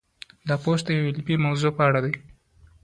دا پوسټ د یوې علمي موضوع په اړه دی.